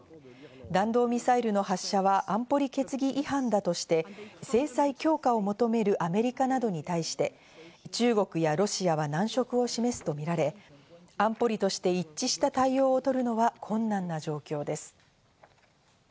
弾道ミサイルの発射は安保理決議違反だとして、制裁強化を求めるアメリカなどに対して、中国やロシアは難色を示すとみられ、安保理として一致した対応を取るのは困難な状況です。